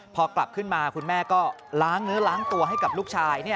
พอกลับขึ้นมาคุณแม่ก็ล้างเนื้อล้างตัวให้กับลูกชาย